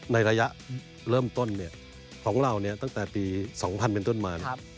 ในระยะเริ่มต้นเนี่ยของเราเนี่ยตั้งแต่ปี๒๐๐๐เป็นต้นมานะครับ